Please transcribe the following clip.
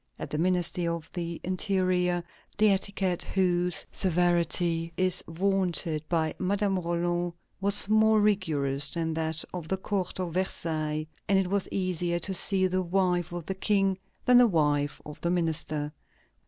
At the Ministry of the Interior, the etiquette whose "severity" is vaunted by Madame Roland was more rigorous than that of the court of Versailles, and it was easier to see the wife of the King than the wife of the minister.